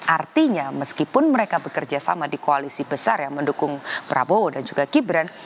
artinya meskipun mereka bekerja sama di koalisi besar yang mendukung prabowo dan juga gibran